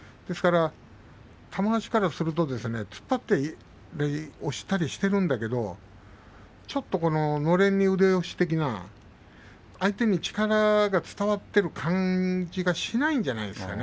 玉鷲からすると突っ張って押したりしているんだけどちょっとのれんに腕押し的な相手に力が伝わっている感じがしないんじゃないでしょうかね。